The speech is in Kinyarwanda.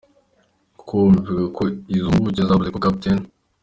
com, ivuga ko izo mpuguke zavuze ko Capt.